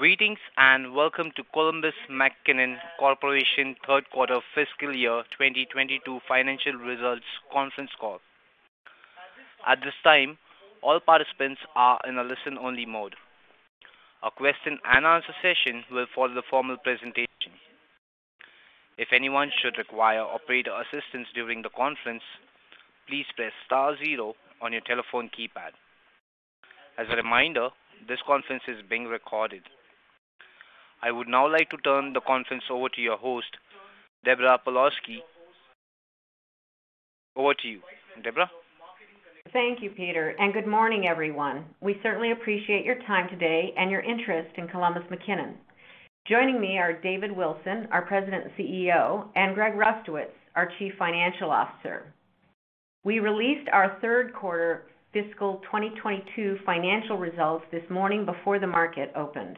Greetings, and welcome to Columbus McKinnon Corporation Third Quarter Fiscal Year 2022 Financial Results Conference Call. At this time, all participants are in a listen-only mode. A question and answer session will follow the formal presentation. If anyone should require operator assistance during the conference, please press star zero on your telephone keypad. As a reminder, this conference is being recorded. I would now like to turn the conference over to your host, Deborah Pawlowski. Over to you, Deborah. Thank you, Peter, and good morning, everyone. We certainly appreciate your time today and your interest in Columbus McKinnon. Joining me are David Wilson, our President and CEO, and Greg Rustowicz, our Chief Financial Officer. We released our third quarter fiscal 2022 financial results this morning before the market opened.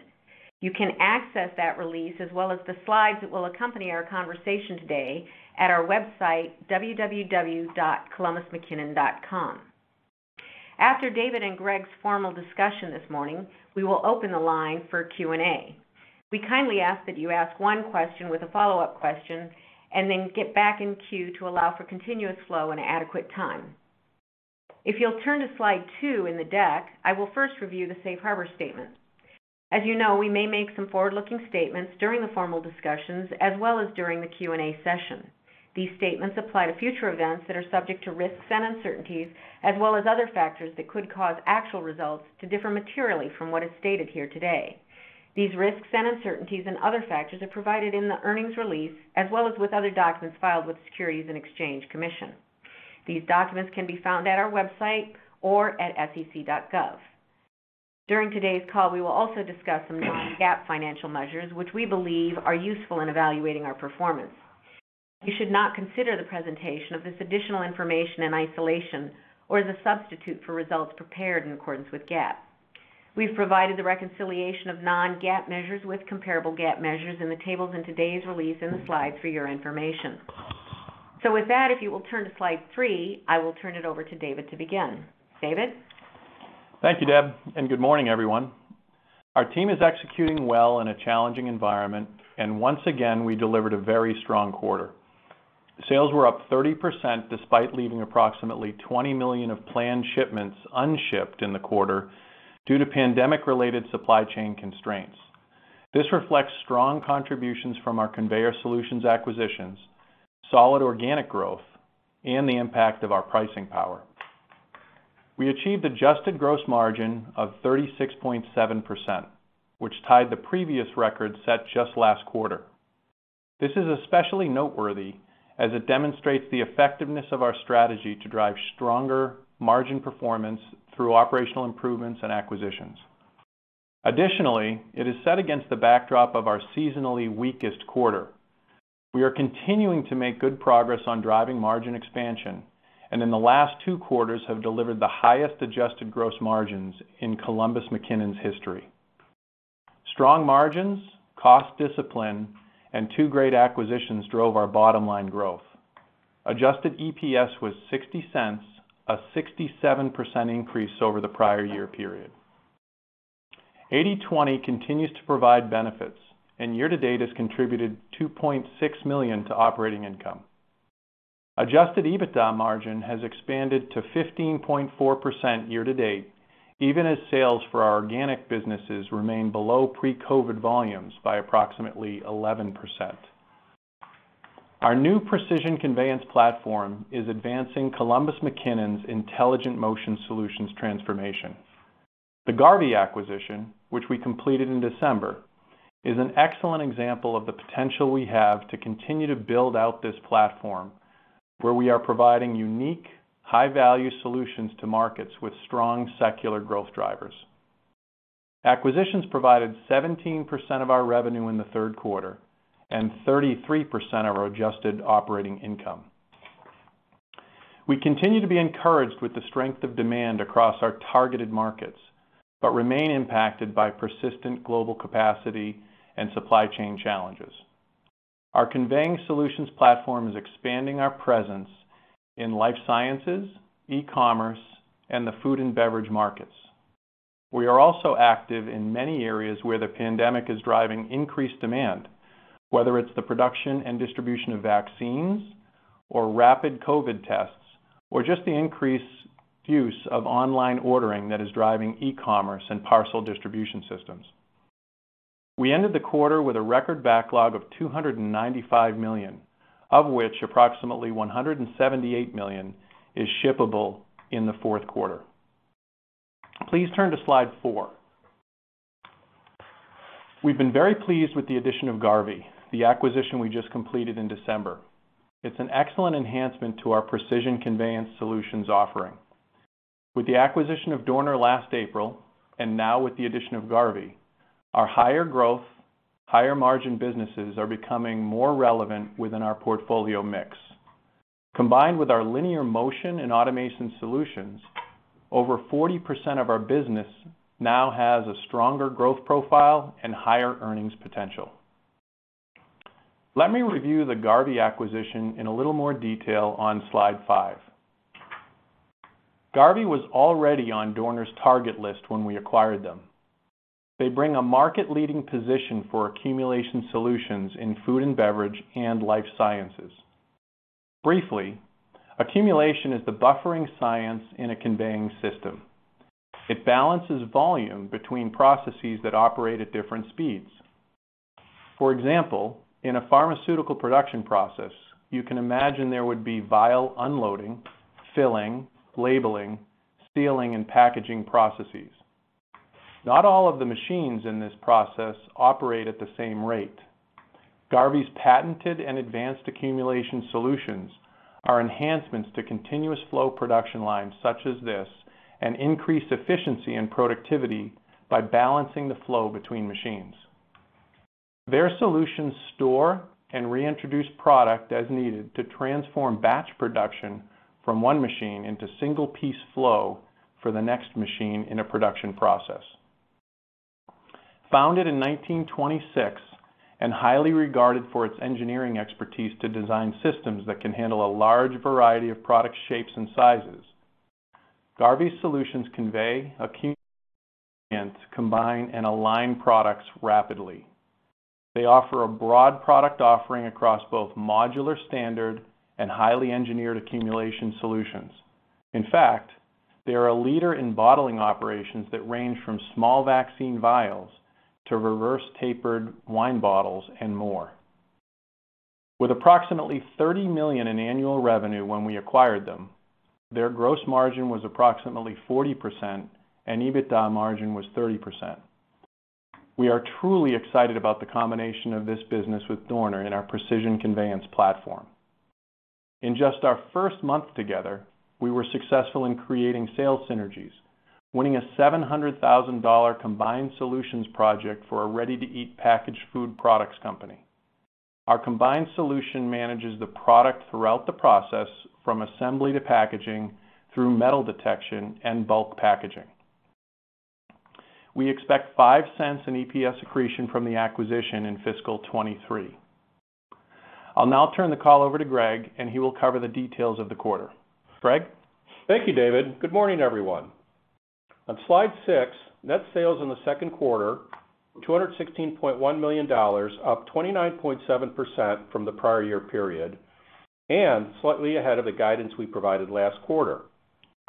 You can access that release as well as the slides that will accompany our conversation today at our website www.columbusmckinnon.com. After David and Greg's formal discussion this morning, we will open the line for Q&A. We kindly ask that you ask one question with a follow-up question and then get back in queue to allow for continuous flow and adequate time. If you'll turn to Slide two in the deck, I will first review the Safe Harbor statement. As you know, we may make some forward-looking statements during the formal discussions as well as during the Q&A session. These statements apply to future events that are subject to risks and uncertainties as well as other factors that could cause actual results to differ materially from what is stated here today. These risks and uncertainties and other factors are provided in the earnings release as well as with other documents filed with Securities and Exchange Commission. These documents can be found at our website or at sec.gov. During today's call, we will also discuss some non-GAAP financial measures, which we believe are useful in evaluating our performance. You should not consider the presentation of this additional information in isolation or as a substitute for results prepared in accordance with GAAP. We've provided the reconciliation of non-GAAP measures with comparable GAAP measures in the tables in today's release in the slides for your information. With that, if you will turn to Slide three, I will turn it over to David to begin. David? Thank you, Deborah, and good morning, everyone. Our team is executing well in a challenging environment, and once again, we delivered a very strong quarter. Sales were up 30% despite leaving approximately $20 million of planned shipments unshipped in the quarter due to pandemic-related supply chain constraints. This reflects strong contributions from our Conveying Solutions acquisitions, solid organic growth, and the impact of our pricing power. We achieved adjusted gross margin of 36.7%, which tied the previous record set just last quarter. This is especially noteworthy as it demonstrates the effectiveness of our strategy to drive stronger margin performance through operational improvements and acquisitions. Additionally, it is set against the backdrop of our seasonally weakest quarter. We are continuing to make good progress on driving margin expansion, and in the last two quarters have delivered the highest adjusted gross margins in Columbus McKinnon's history. Strong margins, cost discipline, and two great acquisitions drove our bottom-line growth. Adjusted EPS was $0.60, a 67% increase over the prior year period. 80/20 continues to provide benefits, and year to date has contributed $2.6 million to operating income. Adjusted EBITDA margin has expanded to 15.4% year to date, even as sales for our organic businesses remain below pre-COVID volumes by approximately 11%. Our new Precision Conveyance platform is advancing Columbus McKinnon's intelligent motion solutions transformation. The Garvey acquisition, which we completed in December, is an excellent example of the potential we have to continue to build out this platform, where we are providing unique, high-value solutions to markets with strong secular growth drivers. Acquisitions provided 17% of our revenue in the third quarter and 33% of our adjusted operating income. We continue to be encouraged with the strength of demand across our targeted markets, but remain impacted by persistent global capacity and supply chain challenges. Our Conveying Solutions platform is expanding our presence in life sciences, e-commerce, and the food and beverage markets. We are also active in many areas where the pandemic is driving increased demand, whether it's the production and distribution of vaccines or rapid COVID tests or just the increased use of online ordering that is driving e-commerce and parcel distribution systems. We ended the quarter with a record backlog of $295 million, of which approximately $178 million is shippable in the fourth quarter. Please turn to Slide four. We've been very pleased with the addition of Garvey, the acquisition we just completed in December. It's an excellent enhancement to our Precision Conveyance Solutions offering. With the acquisition of Dorner last April, and now with the addition of Garvey, our higher growth, higher margin businesses are becoming more relevant within our portfolio mix. Combined with our linear motion and automation solutions, over 40% of our business now has a stronger growth profile and higher earnings potential. Let me review the Garvey acquisition in a little more detail on Slide five. Garvey was already on Dorner's target list when we acquired them. They bring a market-leading position for accumulation solutions in food and beverage and life sciences. Briefly, accumulation is the buffering science in a conveying system. It balances volume between processes that operate at different speeds. For example, in a pharmaceutical production process, you can imagine there would be vial unloading, filling, labeling, sealing, and packaging processes. Not all of the machines in this process operate at the same rate. Garvey's patented and advanced accumulation solutions are enhancements to continuous flow production lines such as this, and increase efficiency and productivity by balancing the flow between machines. Their solutions store and reintroduce product as needed to transform batch production from one machine into single piece flow for the next machine in a production process. Founded in 1926, and highly regarded for its engineering expertise to design systems that can handle a large variety of product shapes and sizes, Garvey's solutions convey, accumulate, combine, and align products rapidly. They offer a broad product offering across both modular standard and highly engineered accumulation solutions. In fact, they are a leader in bottling operations that range from small vaccine vials to reverse-tapered wine bottles and more. With approximately $30 million in annual revenue when we acquired them, their gross margin was approximately 40% and EBITDA margin was 30%. We are truly excited about the combination of this business with Dorner in our Precision Conveyance platform. In just our first month together, we were successful in creating sales synergies, winning a $700,000 combined solutions project for a ready-to-eat packaged food products company. Our combined solution manages the product throughout the process from assembly to packaging through metal detection and bulk packaging. We expect $0.05 in EPS accretion from the acquisition in fiscal 2023. I'll now turn the call over to Greg, and he will cover the details of the quarter. Greg? Thank you, David. Good morning, everyone. On Slide six, net sales in the second quarter, $216.1 million, up 29.7% from the prior year period, and slightly ahead of the guidance we provided last quarter.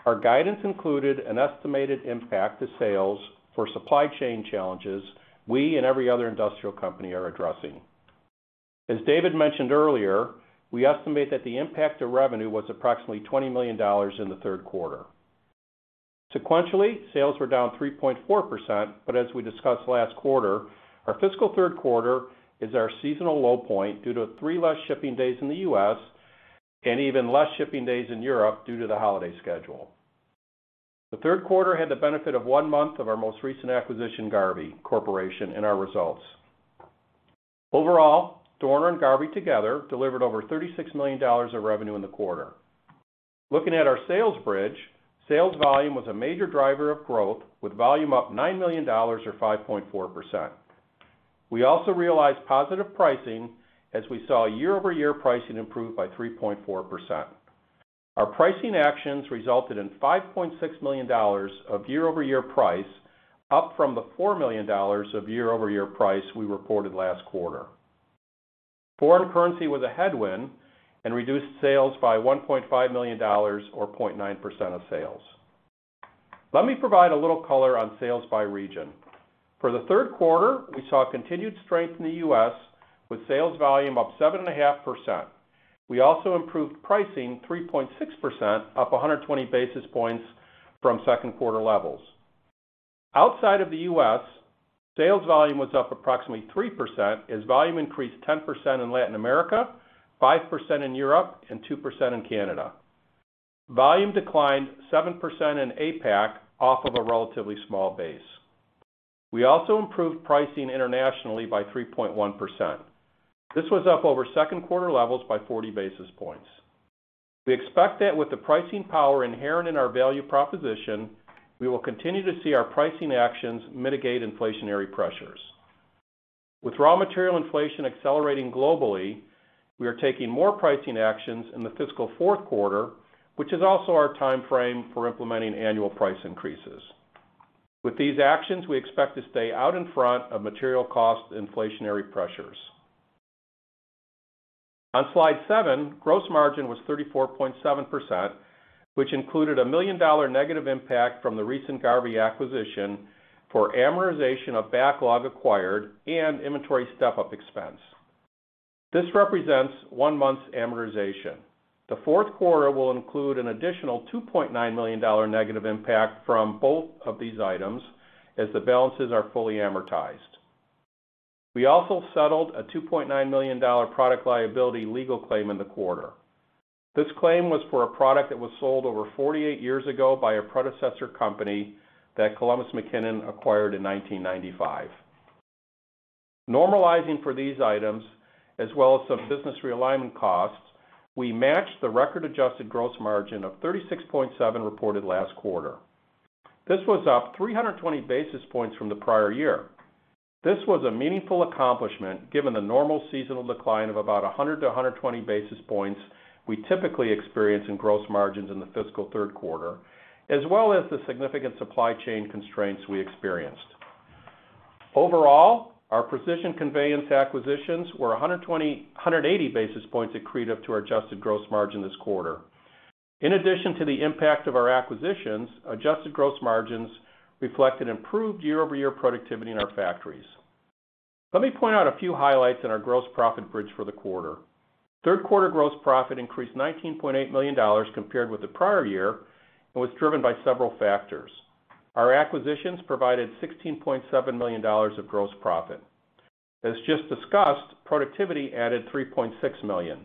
Our guidance included an estimated impact to sales for supply chain challenges we and every other industrial company are addressing. As David mentioned earlier, we estimate that the impact to revenue was approximately $20 million in the third quarter. Sequentially, sales were down 3.4%. As we discussed last quarter, our fiscal third quarter is our seasonal low point due to three less shipping days in the U.S. and even less shipping days in Europe due to the holiday schedule. The third quarter had the benefit of one month of our most recent acquisition, Garvey Corporation, in our results. Overall, Dorner and Garvey together delivered over $36 million of revenue in the quarter. Looking at our sales bridge, sales volume was a major driver of growth, with volume up $9 million or 5.4%. We also realized positive pricing as we saw year-over-year pricing improve by 3.4%. Our pricing actions resulted in $5.6 million of year-over-year price, up from the $4 million of year-over-year price we reported last quarter. Foreign currency was a headwind and reduced sales by $1.5 million or 0.9% of sales. Let me provide a little color on sales by region. For the third quarter, we saw continued strength in the U.S. with sales volume up 7.5%. We also improved pricing 3.6%, up 120 basis points from second quarter levels. Outside of the U.S., sales volume was up approximately 3% as volume increased 10% in Latin America, 5% in Europe, and 2% in Canada. Volume declined 7% in APAC off of a relatively small base. We also improved pricing internationally by 3.1%. This was up over second quarter levels by 40 basis points. We expect that with the pricing power inherent in our value proposition, we will continue to see our pricing actions mitigate inflationary pressures. With raw material inflation accelerating globally, we are taking more pricing actions in the fiscal fourth quarter, which is also our time frame for implementing annual price increases. With these actions, we expect to stay out in front of material cost inflationary pressures. On slide seven, gross margin was 34.7%, which included a $1 million negative impact from the recent Garvey acquisition for amortization of backlog acquired and inventory step-up expense. This represents 1 month's amortization. The fourth quarter will include an additional $2.9 million negative impact from both of these items as the balances are fully amortized. We also settled a $2.9 million product liability legal claim in the quarter. This claim was for a product that was sold over 48 years ago by a predecessor company that Columbus McKinnon acquired in 1995. Normalizing for these items as well as some business realignment costs, we matched the record adjusted gross margin of 36.7% reported last quarter. This was up 320 basis points from the prior year. This was a meaningful accomplishment given the normal seasonal decline of about 100-120 basis points we typically experience in gross margins in the fiscal third quarter, as well as the significant supply chain constraints we experienced. Overall, our Precision Conveyance acquisitions were 120-180 basis points accretive to our adjusted gross margin this quarter. In addition to the impact of our acquisitions, adjusted gross margins reflected improved year-over-year productivity in our factories. Let me point out a few highlights in our gross profit bridge for the quarter. Third quarter gross profit increased $19.8 million compared with the prior year and was driven by several factors. Our acquisitions provided $16.7 million of gross profit. As just discussed, productivity added $3.6 million.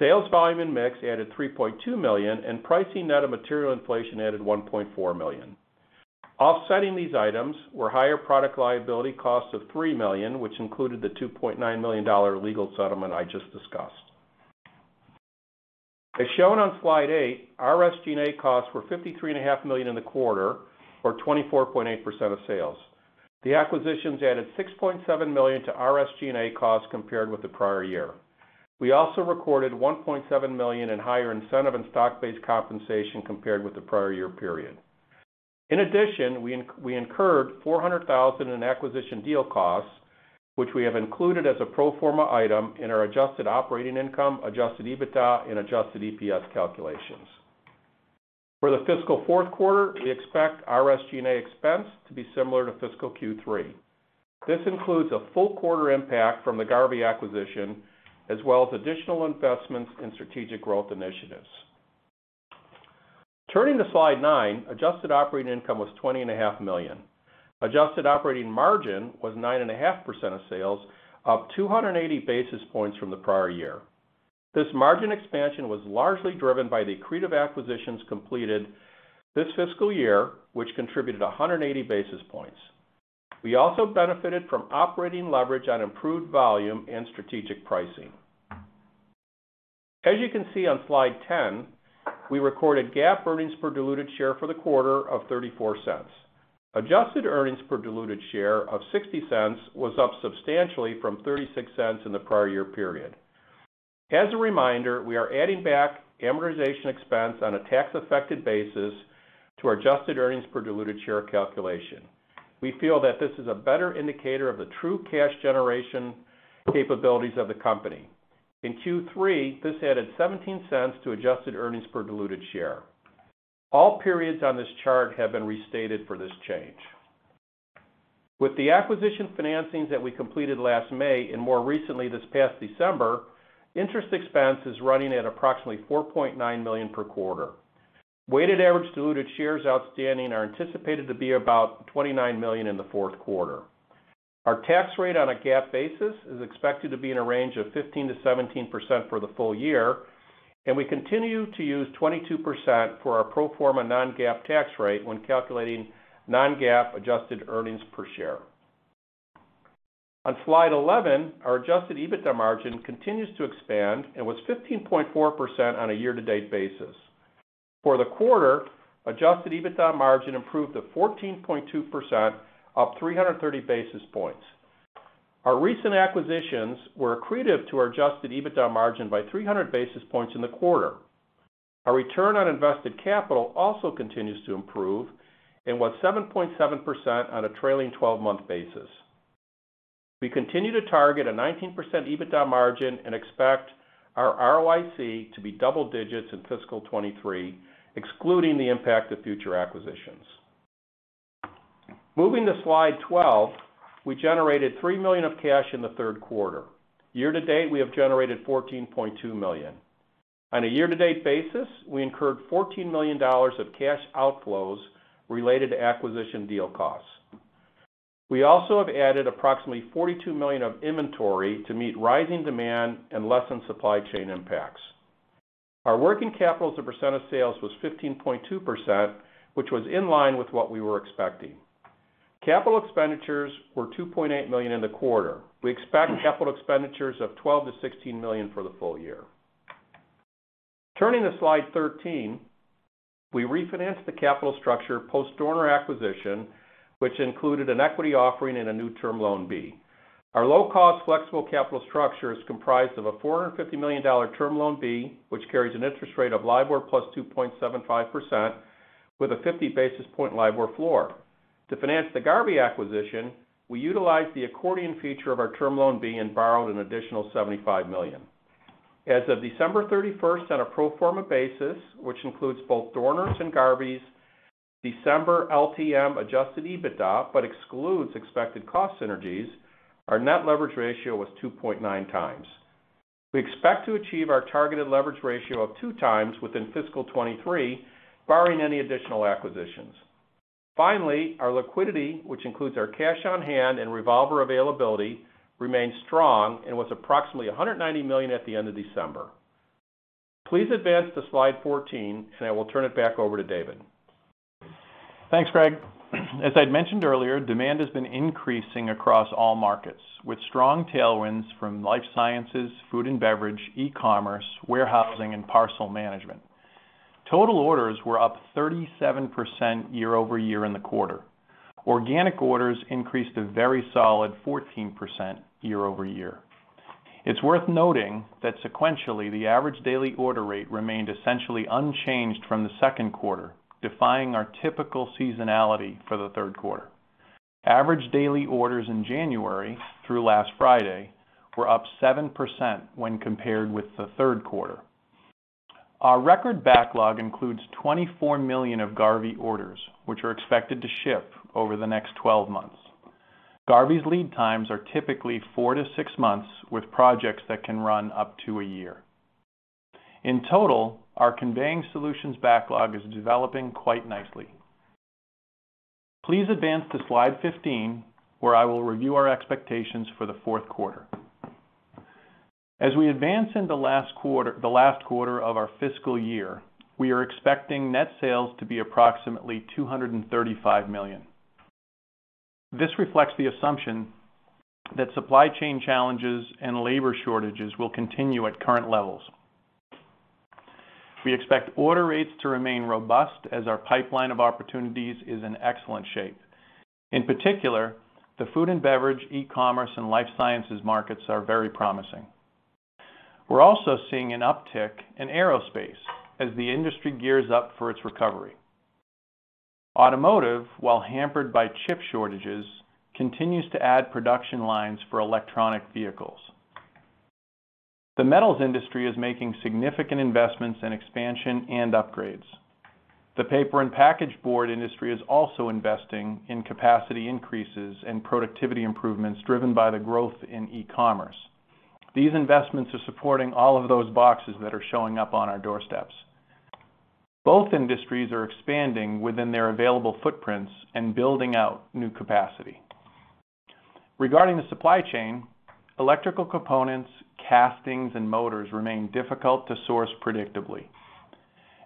Sales volume and mix added $3.2 million, and pricing net of material inflation added $1.4 million. Offsetting these items were higher product liability costs of $3 million, which included the $2.9 million legal settlement I just discussed. As shown on slide 8, our SG&A costs were $53.5 million in the quarter, or 24.8% of sales. The acquisitions added $6.7 million to our SG&A costs compared with the prior year. We also recorded $1.7 million in higher incentive and stock-based compensation compared with the prior year period. In addition, we incurred $400,000 in acquisition deal costs, which we have included as a pro forma item in our adjusted operating income, adjusted EBITDA, and adjusted EPS calculations. For the fiscal fourth quarter, we expect our SG&A expense to be similar to fiscal Q3. This includes a full quarter impact from the Garvey acquisition, as well as additional investments in strategic growth initiatives. Turning to Slide nine, adjusted operating income was $20.5 million. Adjusted operating margin was 9.5% of sales, up 280 basis points from the prior year. This margin expansion was largely driven by the accretive acquisitions completed this fiscal year, which contributed 180 basis points. We also benefited from operating leverage on improved volume and strategic pricing. As you can see on Slide 10, we recorded GAAP earnings per diluted share for the quarter of $0.34. Adjusted earnings per diluted share of $0.60 was up substantially from $0.36 in the prior year period. As a reminder, we are adding back amortization expense on a tax-affected basis to our adjusted earnings per diluted share calculation. We feel that this is a better indicator of the true cash generation capabilities of the company. In Q3, this added 17 cents to adjusted earnings per diluted share. All periods on this chart have been restated for this change. With the acquisition financings that we completed last May and more recently this past December, interest expense is running at approximately $4.9 million per quarter. Weighted average diluted shares outstanding are anticipated to be about 29 million in the fourth quarter. Our tax rate on a GAAP basis is expected to be in a range of 15%-17% for the full year, and we continue to use 22% for our pro forma non-GAAP tax rate when calculating non-GAAP adjusted earnings per share. On Slide 11, our adjusted EBITDA margin continues to expand and was 15.4% on a year-to-date basis. For the quarter, adjusted EBITDA margin improved to 14.2%, up 330 basis points. Our recent acquisitions were accretive to our adjusted EBITDA margin by 300 basis points in the quarter. Our return on invested capital also continues to improve and was 7.7% on a trailing twelve-month basis. We continue to target a 19% EBITDA margin and expect our ROIC to be double digits in fiscal 2023, excluding the impact of future acquisitions. Moving to Slide 12, we generated $3 million of cash in the third quarter. Year-to-date, we have generated $14.2 million. On a year-to-date basis, we incurred $14 million of cash outflows related to acquisition deal costs. We also have added approximately $42 million of inventory to meet rising demand and lessen supply chain impacts. Our working capital as a percent of sales was 15.2%, which was in line with what we were expecting. Capital expenditures were $2.8 million in the quarter. We expect capital expenditures of $12 million-$16 million for the full year. Turning to Slide 13, we refinanced the capital structure post Dorner acquisition, which included an equity offering and a new Term Loan B. Our low-cost flexible capital structure is comprised of a $450 million Term Loan B, which carries an interest rate of LIBOR plus 2.75% with a 50 basis point LIBOR floor. To finance the Garvey acquisition, we utilized the accordion feature of our Term Loan B and borrowed an additional $75 million. As of December 31 on a pro forma basis, which includes both Dorner's and Garvey's December LTM adjusted EBITDA but excludes expected cost synergies, our net leverage ratio was 2.9x. We expect to achieve our targeted leverage ratio of 2x within fiscal 2023, barring any additional acquisitions. Finally, our liquidity, which includes our cash on hand and revolver availability, remains strong and was approximately $190 million at the end of December. Please advance to Slide 14, and I will turn it back over to David. Thanks, Greg. As I'd mentioned earlier, demand has been increasing across all markets, with strong tailwinds from life sciences, food and beverage, e-commerce, warehousing, and parcel management. Total orders were up 37% year-over-year in the quarter. Organic orders increased a very solid 14% year-over-year. It's worth noting that sequentially, the average daily order rate remained essentially unchanged from the second quarter, defying our typical seasonality for the third quarter. Average daily orders in January through last Friday were up 7% when compared with the third quarter. Our record backlog includes $24 million of Garvey orders, which are expected to ship over the next 12 months. Garvey's lead times are typically 4-6 months, with projects that can run up to 1 year. In total, our Conveying Solutions backlog is developing quite nicely. Please advance to Slide 15, where I will review our expectations for the fourth quarter. As we advance in the last quarter, the last quarter of our fiscal year, we are expecting net sales to be approximately $235 million. This reflects the assumption that supply chain challenges and labor shortages will continue at current levels. We expect order rates to remain robust as our pipeline of opportunities is in excellent shape. In particular, the food and beverage, e-commerce, and life sciences markets are very promising. We're also seeing an uptick in aerospace as the industry gears up for its recovery. Automotive, while hampered by chip shortages, continues to add production lines for electric vehicles. The metals industry is making significant investments in expansion and upgrades. The paper and packaging board industry is also investing in capacity increases and productivity improvements driven by the growth in e-commerce. These investments are supporting all of those boxes that are showing up on our doorsteps. Both industries are expanding within their available footprints and building out new capacity. Regarding the supply chain, electrical components, castings, and motors remain difficult to source predictably.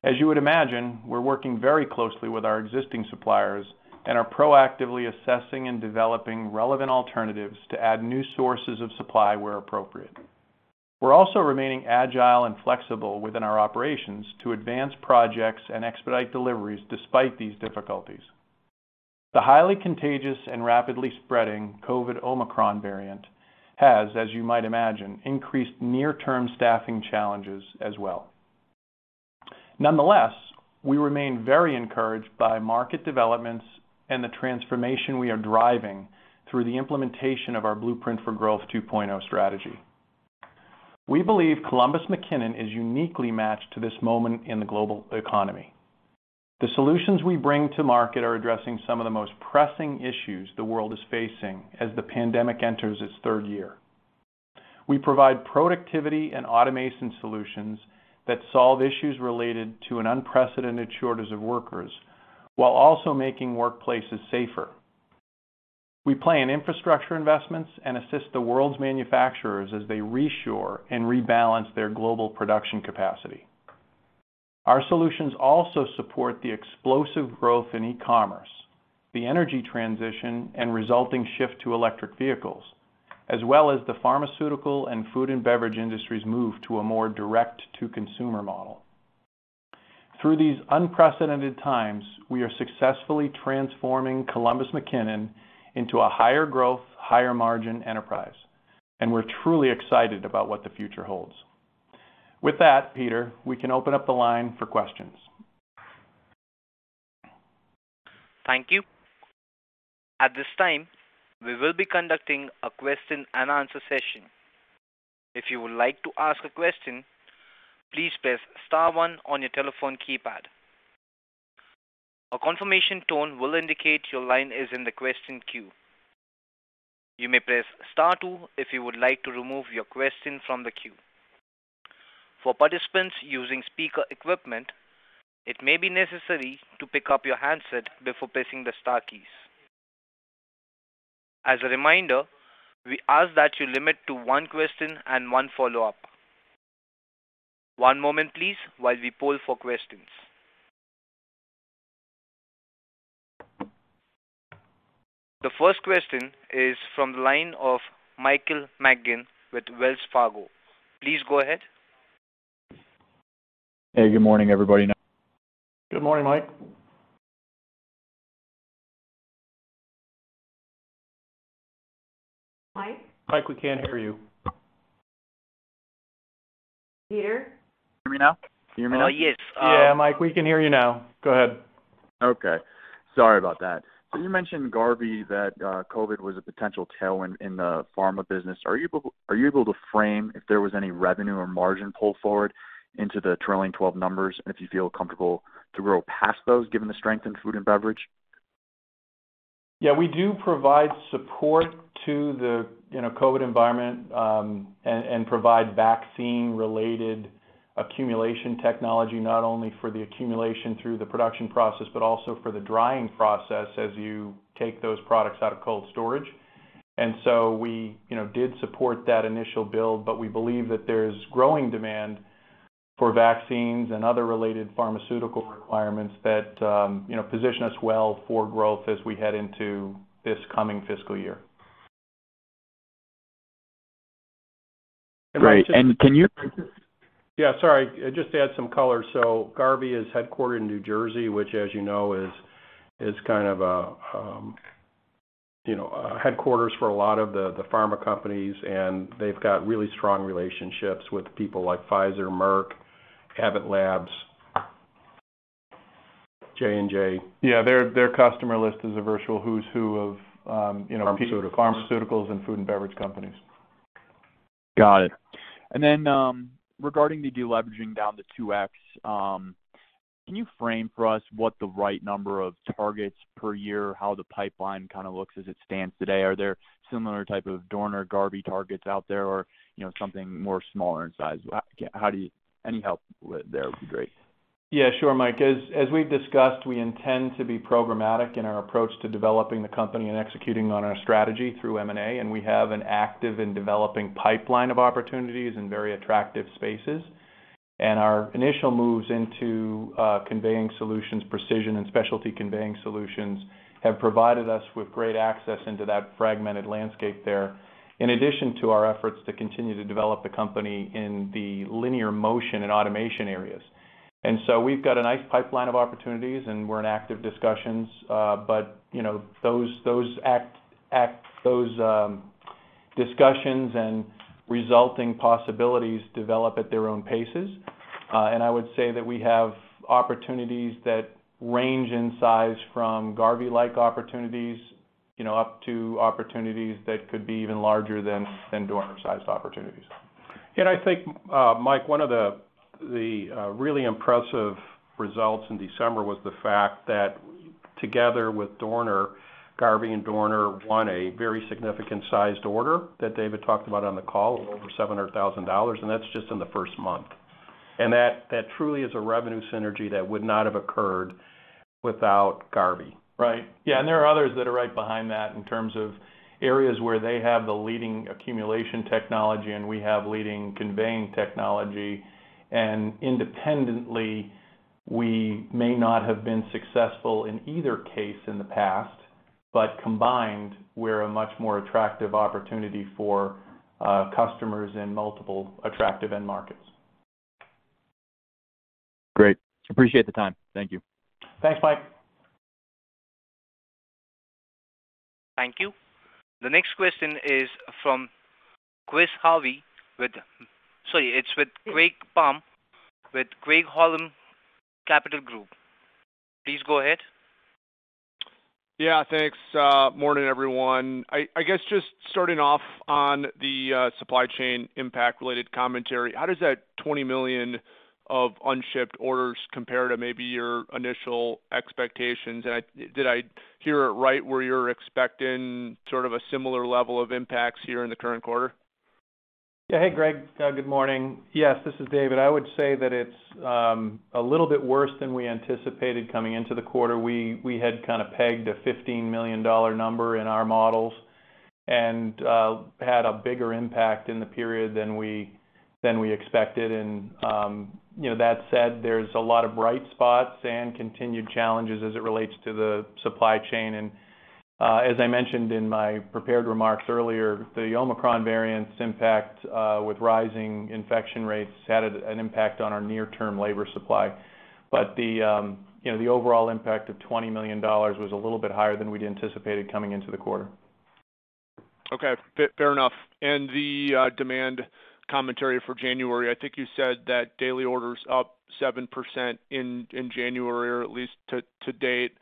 As you would imagine, we're working very closely with our existing suppliers and are proactively assessing and developing relevant alternatives to add new sources of supply where appropriate. We're also remaining agile and flexible within our operations to advance projects and expedite deliveries despite these difficulties. The highly contagious and rapidly spreading COVID Omicron variant has, as you might imagine, increased near-term staffing challenges as well. Nonetheless, we remain very encouraged by market developments and the transformation we are driving through the implementation of our Blueprint for Growth 2.0 strategy. We believe Columbus McKinnon is uniquely matched to this moment in the global economy. The solutions we bring to market are addressing some of the most pressing issues the world is facing as the pandemic enters its third year. We provide productivity and automation solutions that solve issues related to an unprecedented shortage of workers while also making workplaces safer. We plan infrastructure investments and assist the world's manufacturers as they reshore and rebalance their global production capacity. Our solutions also support the explosive growth in e-commerce, the energy transition, and resulting shift to electric vehicles, as well as the pharmaceutical and food and beverage industries move to a more direct-to-consumer model. Through these unprecedented times, we are successfully transforming Columbus McKinnon into a higher growth, higher margin enterprise, and we're truly excited about what the future holds. With that, Peter, we can open up the line for questions. Thank you. At this time, we will be conducting a question and answer session. If you would like to ask a question, please press star one on your telephone keypad. A confirmation tone will indicate your line is in the question queue. You may press star two if you would like to remove your question from the queue. For participants using speaker equipment, it may be necessary to pick up your handset before pressing the star keys. As a reminder, we ask that you limit to one question and one follow-up. One moment, please, while we poll for questions. The first question is from the line of Michael McGinn with Wells Fargo. Please go ahead. Hey, good morning, everybody. Good morning, Mike. Mike? Mike, we can't hear you. Peter? Can you hear me now? Yes. Yeah. Mike, we can hear you now. Go ahead. Okay. Sorry about that. You mentioned, Garvey, that COVID was a potential tailwind in the pharma business. Are you able to frame if there was any revenue or margin pull forward into the trailing twelve months and if you feel comfortable to grow past those, given the strength in food and beverage? Yeah, we do provide support to the, you know, COVID environment, and provide vaccine-related accumulation technology, not only for the accumulation through the production process but also for the drying process as you take those products out of cold storage. We, you know, did support that initial build, but we believe that there's growing demand for vaccines and other related pharmaceutical requirements that, you know, position us well for growth as we head into this coming fiscal year. Right. Yeah, sorry. Just to add some color. Garvey is headquartered in New Jersey, which as you know, is kind of a headquarters for a lot of the pharma companies, and they've got really strong relationships with people like Pfizer, Merck, Abbott Labs, J&J. Yeah. Their customer list is a virtual who's who of, you know- Pharmaceutical pharmaceuticals and food and beverage companies. Got it. Regarding the deleveraging down to 2x, can you frame for us what the right number of targets per year, how the pipeline kind of looks as it stands today? Are there similar type of Dorner, Garvey targets out there or, you know, something more smaller in size? Any help there would be great. Yeah, sure, Mike. As we've discussed, we intend to be programmatic in our approach to developing the company and executing on our strategy through M&A, and we have an active and developing pipeline of opportunities in very attractive spaces. Our initial moves into conveying solutions, precision and specialty conveying solutions, have provided us with great access into that fragmented landscape there, in addition to our efforts to continue to develop the company in the linear motion and automation areas. We've got a nice pipeline of opportunities, and we're in active discussions, but you know, those active discussions and resulting possibilities develop at their own paces. I would say that we have opportunities that range in size from Garvey-like opportunities, you know, up to opportunities that could be even larger than Dorner-sized opportunities. I think, Mike, one of the really impressive results in December was the fact that together with Dorner, Garvey and Dorner won a very significant sized order that David talked about on the call of over $700,000, and that's just in the first month. That truly is a revenue synergy that would not have occurred without Garvey. Right. Yeah. There are others that are right behind that in terms of areas where they have the leading accumulation technology and we have leading conveying technology. Independently, we may not have been successful in either case in the past, but combined, we're a much more attractive opportunity for customers in multiple attractive end markets. Great. I appreciate the time. Thank you. Thanks, Mike. Thank you. The next question is from Greg Palm with Craig-Hallum Capital Group. Please go ahead. Yeah, thanks. Morning, everyone. I guess just starting off on the supply chain impact related commentary, how does that $20 million of unshipped orders compare to maybe your initial expectations? Did I hear it right where you're expecting sort of a similar level of impacts here in the current quarter? Yeah. Hey, Greg. Good morning. Yes, this is David. I would say that it's a little bit worse than we anticipated coming into the quarter. We had kinda pegged a $15 million number in our models and had a bigger impact in the period than we expected. You know, that said, there's a lot of bright spots and continued challenges as it relates to the supply chain. As I mentioned in my prepared remarks earlier, the Omicron variant's impact with rising infection rates had an impact on our near-term labor supply. But you know, the overall impact of $20 million was a little bit higher than we'd anticipated coming into the quarter. Okay, fair enough. The demand commentary for January, I think you said that daily orders up 7% in January or at least to date.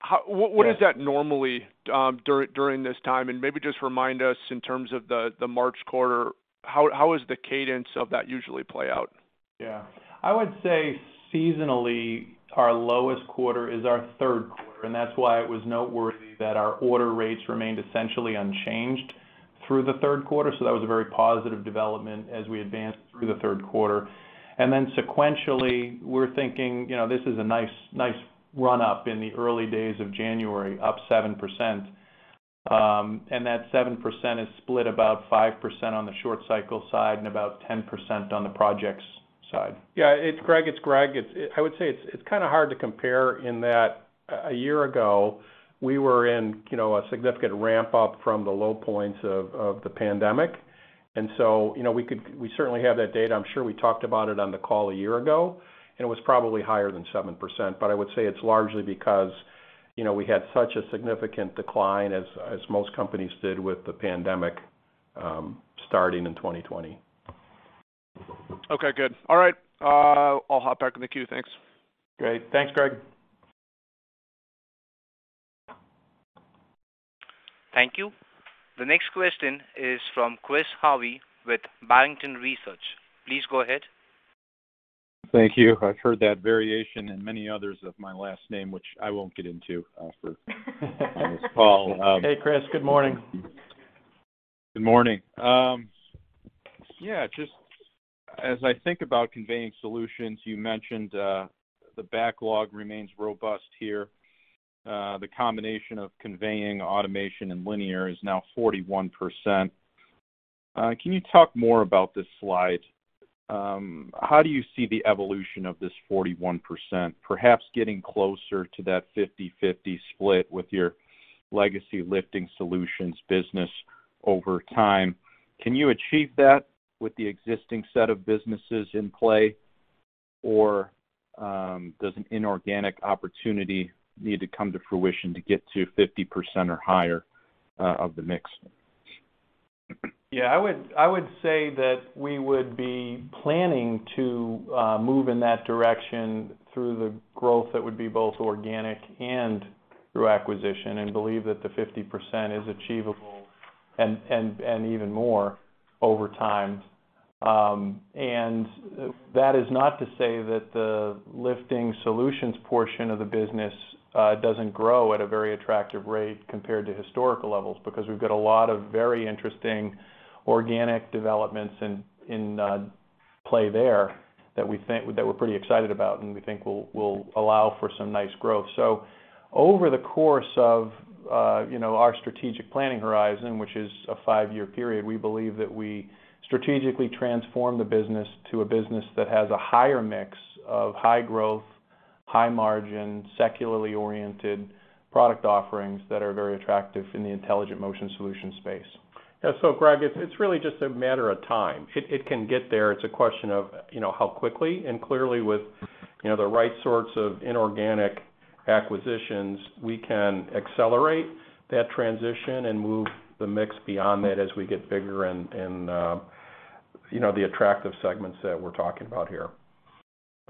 How- Yeah. What is that normally during this time? Maybe just remind us in terms of the March quarter, how is the cadence of that usually play out? Yeah. I would say seasonally, our lowest quarter is our third quarter, and that's why it was noteworthy that our order rates remained essentially unchanged through the third quarter. That was a very positive development as we advanced through the third quarter. Then sequentially, we're thinking, you know, this is a nice run up in the early days of January, up 7%. That 7% is split about 5% on the short cycle side and about 10% on the projects side. It's Greg. I would say it's kinda hard to compare in that a year ago, we were in, you know, a significant ramp up from the low points of the pandemic. You know, we certainly have that data. I'm sure we talked about it on the call a year ago, and it was probably higher than 7%. I would say it's largely because, you know, we had such a significant decline as most companies did with the pandemic, starting in 2020. Okay, good. All right. I'll hop back in the queue. Thanks. Great. Thanks, Greg. Thank you. The next question is from Chris Harvey with Barrington Research. Please go ahead. Thank you. I've heard that variation and many others of my last name, which I won't get into on this call. Hey, Chris. Good morning. Good morning. Yeah, just as I think about Conveying Solutions, you mentioned, the backlog remains robust here. The combination of conveying automation and linear is now 41%. Can you talk more about this slide? How do you see the evolution of this 41% perhaps getting closer to that 50/50 split with your legacy lifting solutions business over time? Can you achieve that with the existing set of businesses in play? Or, does an inorganic opportunity need to come to fruition to get to 50% or higher, of the mix? Yeah, I would say that we would be planning to move in that direction through the growth that would be both organic and through acquisition and believe that the 50% is achievable and even more over time. That is not to say that the lifting solutions portion of the business doesn't grow at a very attractive rate compared to historical levels, because we've got a lot of very interesting organic developments in play there that we think that we're pretty excited about and we think will allow for some nice growth. Over the course of our strategic planning horizon, which is a five-year period, we believe that we strategically transform the business to a business that has a higher mix of high growth, high margin, secularly oriented product offerings that are very attractive in the intelligent motion solutions space. Yeah. Greg, it's really just a matter of time. It can get there. It's a question of, you know, how quickly, and clearly with, you know, the right sorts of inorganic acquisitions, we can accelerate that transition and move the mix beyond that as we get bigger in, you know, the attractive segments that we're talking about here.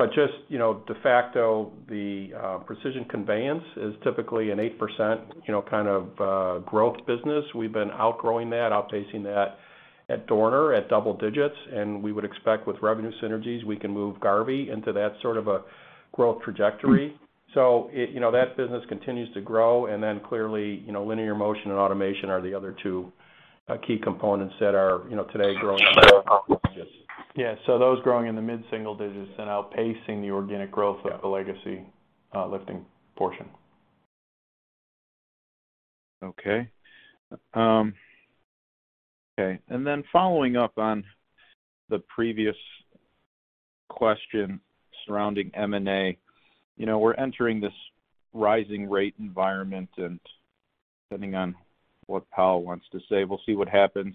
Just, you know, de facto, the Precision Conveyance is typically an 8%, you know, kind of growth business. We've been outgrowing that, outpacing that at Dorner at double digits, and we would expect with revenue synergies, we can move Garvey into that sort of a growth trajectory. It, you know, that business continues to grow, and then clearly, you know, linear motion and automation are the other two key components that are, you know, today growing digits. Those growing in the mid-single digits and outpacing the organic growth- Yeah -of the legacy, lifting portion. Following up on the previous question surrounding M&A, you know, we're entering this rising rate environment and depending on what Powell wants to say, we'll see what happens.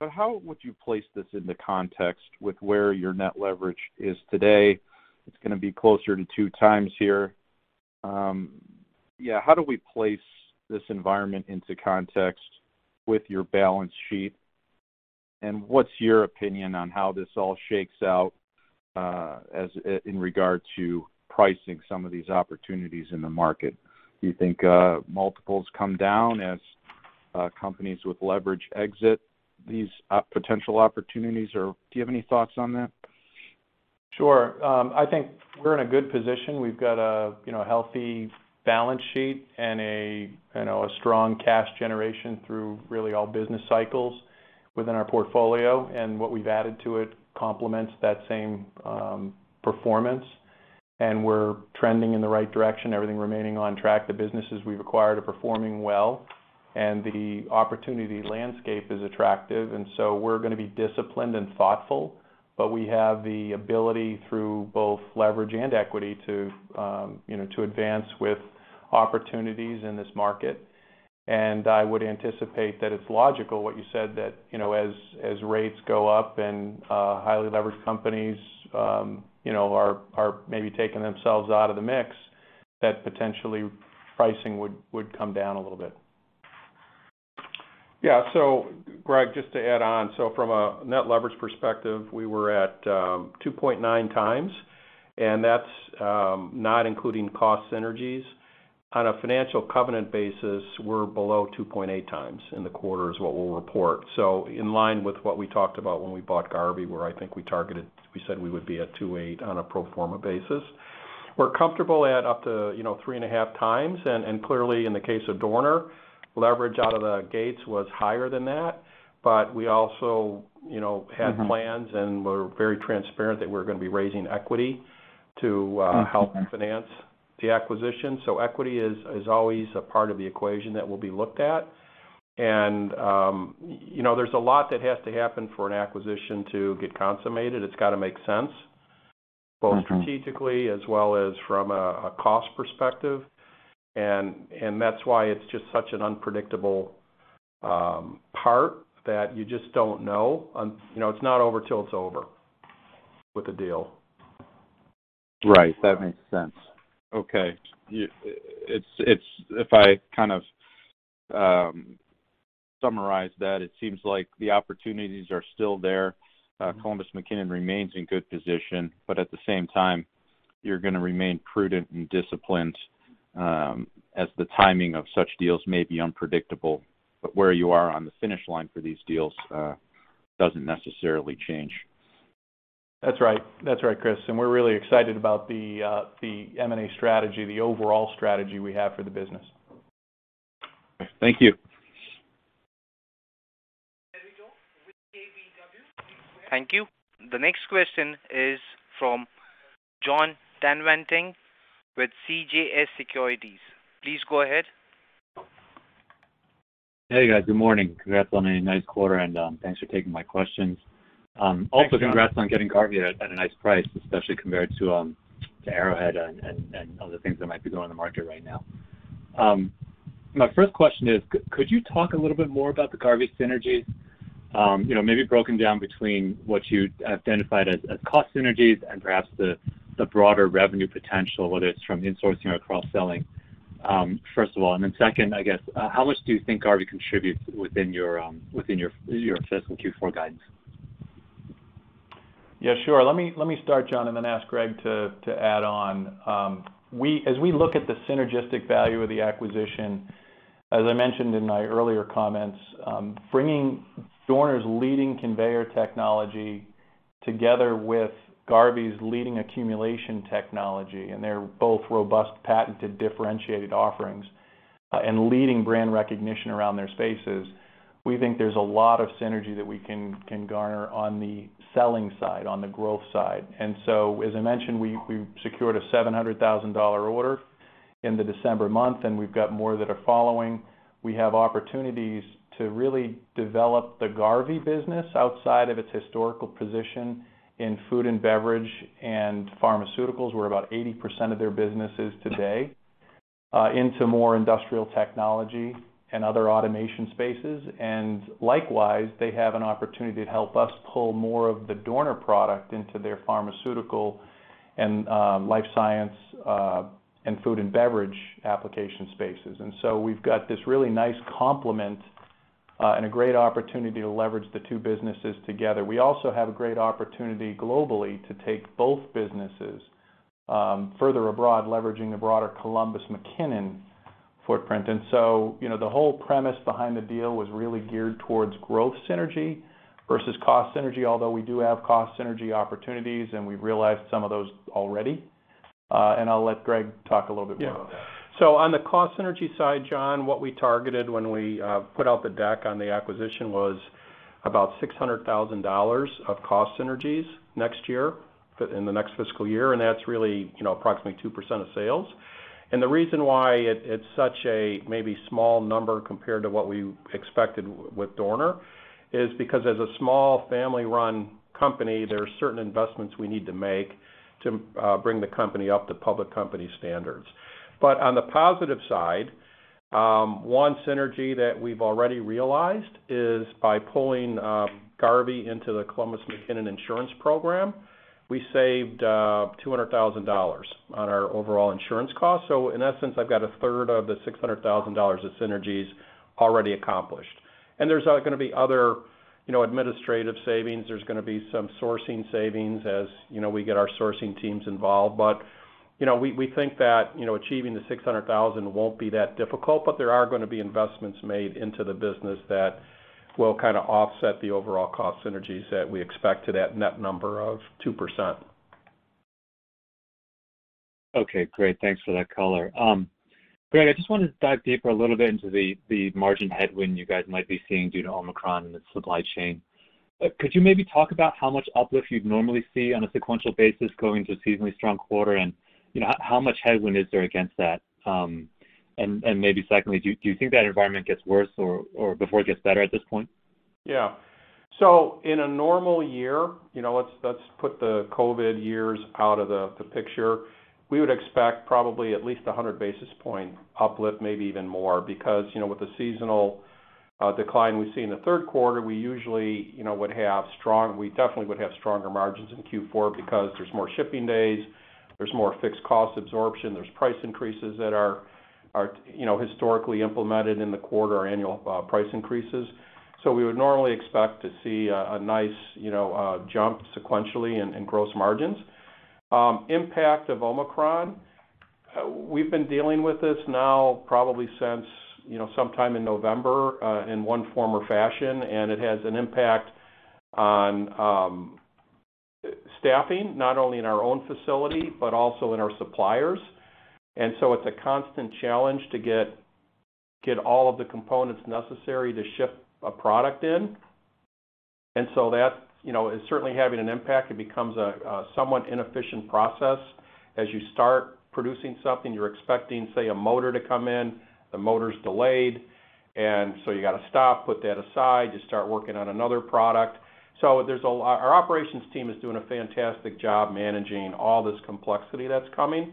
But how would you place this into context with where your net leverage is today? It's gonna be closer to 2x here. Yeah, how do we place this environment into context with your balance sheet, and what's your opinion on how this all shakes out in regard to pricing some of these opportunities in the market? Do you think multiples come down as companies with leverage exit these potential opportunities? Or do you have any thoughts on that? Sure. I think we're in a good position. We've got a you know healthy balance sheet and a you know a strong cash generation through really all business cycles within our portfolio. What we've added to it complements that same performance. We're trending in the right direction. Everything remaining on track. The businesses we've acquired are performing well, and the opportunity landscape is attractive, so we're gonna be disciplined and thoughtful, but we have the ability through both leverage and equity to you know to advance with opportunities in this market. I would anticipate that it's logical what you said that you know as rates go up and highly leveraged companies you know are maybe taking themselves out of the mix, that potentially pricing would come down a little bit. Yeah. Greg, just to add on. From a net leverage perspective, we were at 2.9x, and that's not including cost synergies. On a financial covenant basis, we're below 2.8x in the quarter is what we'll report. In line with what we talked about when we bought Garvey, where I think we targeted, we said we would be at 2.8 on a pro forma basis. We're comfortable at up to, you know, 3.5x. And clearly in the case of Dorner, leverage out of the gates was higher than that. But we also, you know, had plans and were very transparent that we're gonna be raising equity to help finance the acquisition. Equity is always a part of the equation that will be looked at. You know, there's a lot that has to happen for an acquisition to get consummated. It's gotta make sense, both strategically as well as from a cost perspective. That's why it's just such an unpredictable part that you just don't know. You know, it's not over till it's over with a deal. Right. That makes sense. Okay. It's if I kind of summarize that, it seems like the opportunities are still there. Columbus McKinnon remains in good position, but at the same time, you're gonna remain prudent and disciplined, as the timing of such deals may be unpredictable. Where you are on the finish line for these deals doesn't necessarily change. That's right, Chris. We're really excited about the M&A strategy, the overall strategy we have for the business. Thank you. Thank you. The next question is from Jon Tanwanteng with CJS Securities. Please go ahead. Hey, guys. Good morning. Congrats on a nice quarter, and thanks for taking my questions. Also- Thanks, Jon. Congrats on getting Garvey at a nice price, especially compared to Arrowhead and other things that might be going on the market right now. My first question is, could you talk a little bit more about the Garvey synergies, you know, maybe broken down between what you identified as cost synergies and perhaps the broader revenue potential, whether it's from insourcing or cross-selling, first of all. Then second, I guess, how much do you think Garvey contributes within your assessment Q4 guidance? Yeah, sure. Let me start, John, and then ask Greg to add on. As we look at the synergistic value of the acquisition, as I mentioned in my earlier comments, bringing Dorner's leading conveyor technology together with Garvey's leading accumulation technology, and they're both robust, patented, differentiated offerings, and leading brand recognition around their spaces, we think there's a lot of synergy that we can garner on the selling side, on the growth side. As I mentioned, we secured a $700,000 order in December, and we've got more that are following. We have opportunities to really develop the Garvey business outside of its historical position in food and beverage and pharmaceuticals, where about 80% of their business is today, into more industrial technology and other automation spaces. Likewise, they have an opportunity to help us pull more of the Dorner product into their pharmaceutical and life science and food and beverage application spaces. We've got this really nice complement and a great opportunity to leverage the two businesses together. We also have a great opportunity globally to take both businesses further abroad, leveraging the broader Columbus McKinnon footprint. You know, the whole premise behind the deal was really geared towards growth synergy versus cost synergy, although we do have cost synergy opportunities, and we've realized some of those already. I'll let Greg talk a little bit more on that. Yeah. On the cost synergy side, John, what we targeted when we put out the deck on the acquisition was about $600,000 of cost synergies next year, in the next fiscal year, and that's really, you know, approximately 2% of sales. The reason why it's such a maybe small number compared to what we expected with Dorner is because as a small family-run company, there are certain investments we need to make to bring the company up to public company standards. On the positive side, one synergy that we've already realized is by pulling Garvey into the Columbus McKinnon insurance program, we saved $200,000 on our overall insurance costs. In essence, I've got a third of the $600,000 of synergies already accomplished. There's gonna be other, you know, administrative savings. There's gonna be some sourcing savings as, you know, we get our sourcing teams involved. But, you know, we think that, you know, achieving the $600,000 won't be that difficult, but there are gonna be investments made into the business that will kinda offset the overall cost synergies that we expect to that net number of 2%. Okay, great. Thanks for that color. Greg, I just wanted to dive deeper a little bit into the margin headwind you guys might be seeing due to Omicron and the supply chain. Could you maybe talk about how much uplift you'd normally see on a sequential basis going to a seasonally strong quarter? How much headwind is there against that? Maybe secondly, do you think that environment gets worse or before it gets better at this point? Yeah. In a normal year, you know, let's put the COVID years out of the picture. We would expect probably at least 100 basis point uplift, maybe even more. Because, you know, with the seasonal decline we see in the third quarter, we usually, you know, would have strong. We definitely would have stronger margins in Q4 because there's more shipping days, there's more fixed cost absorption, there's price increases that are, you know, historically implemented in the quarterly and annual price increases. We would normally expect to see a nice, you know, jump sequentially in gross margins. Impact of Omicron. We've been dealing with this now probably since, you know, sometime in November, in one form or fashion, and it has an impact on staffing, not only in our own facility, but also in our suppliers. It's a constant challenge to get all of the components necessary to ship a product in. That, you know, is certainly having an impact. It becomes a somewhat inefficient process. As you start producing something, you're expecting, say, a motor to come in, the motor's delayed, and so you gotta stop, put that aside, you start working on another product. There's a lot. Our operations team is doing a fantastic job managing all this complexity that's coming.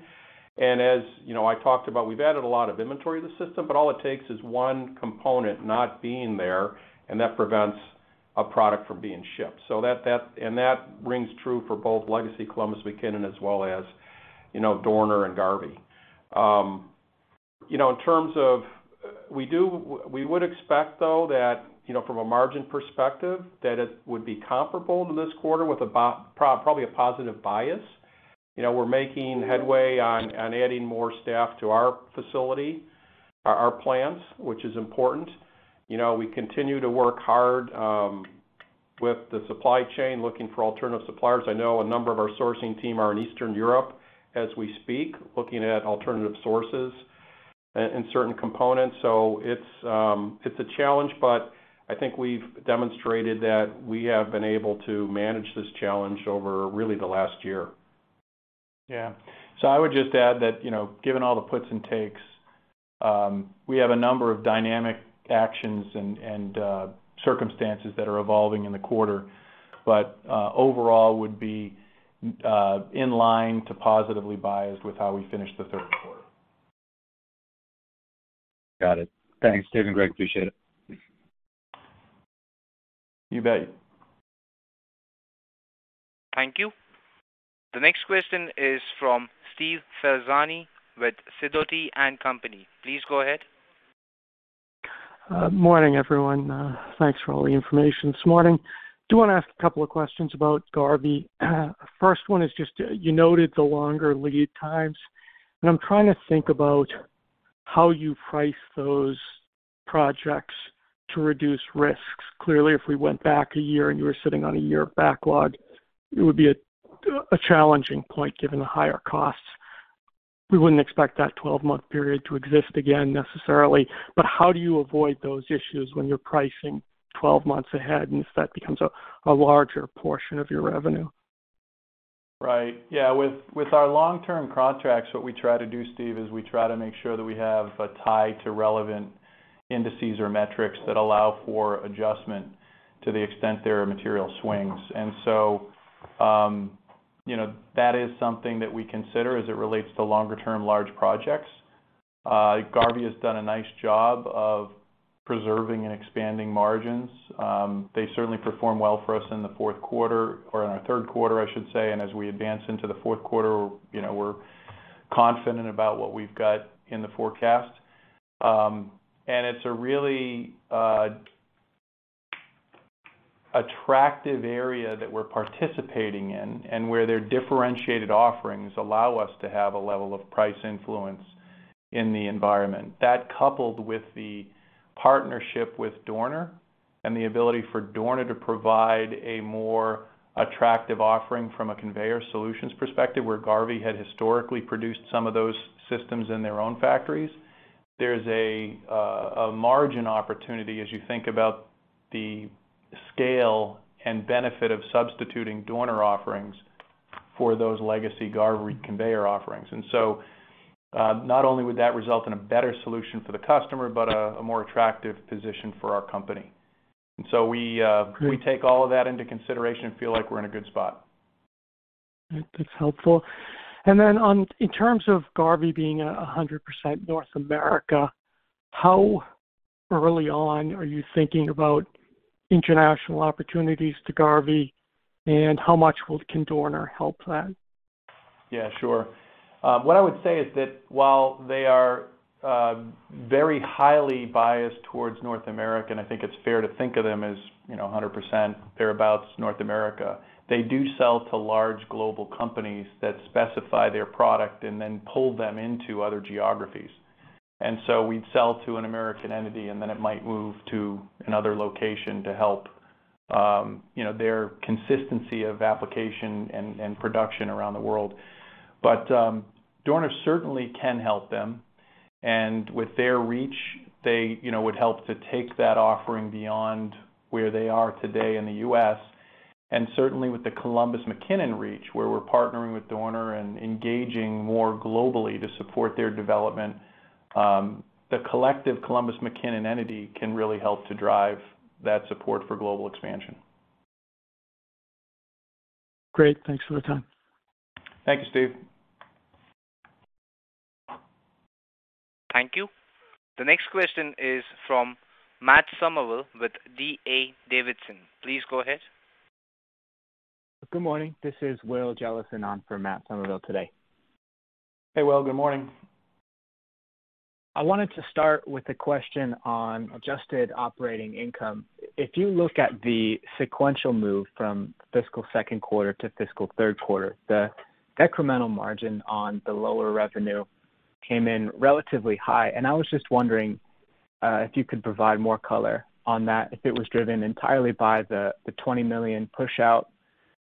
As you know, I talked about, we've added a lot of inventory to the system, but all it takes is one component not being there, and that prevents a product from being shipped. That rings true for both legacy Columbus McKinnon as well as, you know, Dorner and Garvey. You know, in terms of, we would expect though that, you know, from a margin perspective, that it would be comparable to this quarter with a probably a positive bias. You know, we're making headway on adding more staff to our facility, our plants, which is important. You know, we continue to work hard with the supply chain, looking for alternative suppliers. I know a number of our sourcing team are in Eastern Europe as we speak, looking at alternative sources. In certain components. It's a challenge, but I think we've demonstrated that we have been able to manage this challenge over really the last year. Yeah. I would just add that, you know, given all the puts and takes, we have a number of dynamic actions and circumstances that are evolving in the quarter. Overall would be in line to positively biased with how we finish the third quarter. Got it. Thanks, Dave and Greg. Appreciate it. You bet. Thank you. The next question is from Steve Ferazani with Sidoti & Company. Please go ahead. Morning, everyone. Thanks for all the information this morning. I do want to ask a couple of questions about Garvey. First one is just, you noted the longer lead times, and I'm trying to think about how you price those projects to reduce risks. Clearly, if we went back a year and you were sitting on a year backlog, it would be a challenging point given the higher costs. We wouldn't expect that 12-month period to exist again necessarily. How do you avoid those issues when you're pricing 12 months ahead, and if that becomes a larger portion of your revenue? Right. Yeah. With our long-term contracts, what we try to do, Steve, is we try to make sure that we have a tie to relevant indices or metrics that allow for adjustment to the extent there are material swings. You know, that is something that we consider as it relates to longer-term large projects. Garvey has done a nice job of preserving and expanding margins. They certainly performed well for us in the fourth quarter or in our third quarter, I should say. As we advance into the fourth quarter, you know, we're confident about what we've got in the forecast. It's a really attractive area that we're participating in and where their differentiated offerings allow us to have a level of price influence in the environment. That coupled with the partnership with Dorner and the ability for Dorner to provide a more attractive offering from a conveyor solutions perspective, where Garvey had historically produced some of those systems in their own factories, there's a margin opportunity as you think about the scale and benefit of substituting Dorner offerings for those legacy Garvey conveyor offerings. Not only would that result in a better solution for the customer, but a more attractive position for our company. We take all of that into consideration and feel like we're in a good spot. That's helpful. In terms of Garvey being 100% North America, how early on are you thinking about international opportunities to Garvey, and how much can Dorner help that? Yeah, sure. What I would say is that while they are very highly biased towards North America, and I think it's fair to think of them as, you know, 100% thereabouts North America, they do sell to large global companies that specify their product and then pull them into other geographies. We'd sell to an American entity, and then it might move to another location to help, you know, their consistency of application and production around the world. Dorner certainly can help them. With their reach, they, you know, would help to take that offering beyond where they are today in the U.S. Certainly with the Columbus McKinnon reach, where we're partnering with Dorner and engaging more globally to support their development, the collective Columbus McKinnon entity can really help to drive that support for global expansion. Great. Thanks for the time. Thank you, Steve. Thank you. The next question is from Matt Summerville with D.A. Davidson. Please go ahead. Good morning. This is Will Jellison on for Matt Summerville today. Hey, Will, good morning. I wanted to start with a question on adjusted operating income. If you look at the sequential move from fiscal second quarter to fiscal third quarter, the incremental margin on the lower revenue came in relatively high. I was just wondering if you could provide more color on that, if it was driven entirely by the $20 million push out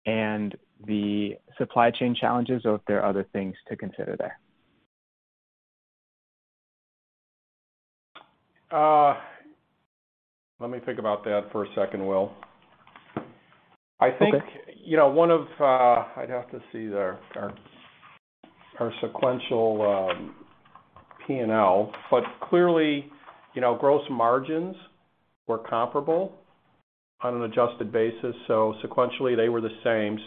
and the supply chain challenges, or if there are other things to consider there? Let me think about that for a second, Will. Okay. I think, you know, I'd have to see our sequential P&L. Clearly, you know, gross margins were comparable on an adjusted basis, so sequentially they were the same.